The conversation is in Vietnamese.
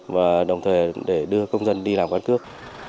và đồng thời để đưa công dân đi làm căn cước